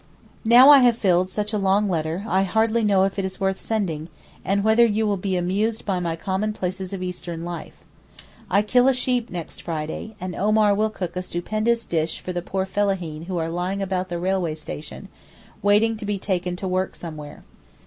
Now I have filled such a long letter I hardly know if it is worth sending, and whether you will be amused by my commonplaces of Eastern life. I kill a sheep next Friday, and Omar will cook a stupendous dish for the poor Fellaheen who are lying about the railway station, waiting to be taken to work somewhere.